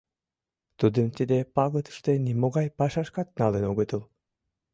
Тудым тиде пагытыште нимогай пашашкат налын огытыл.